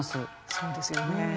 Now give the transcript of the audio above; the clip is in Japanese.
そうですよね。